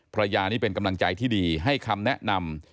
ภรรยานี่เป็นกำลังใจที่ดีให้คำแนะนำ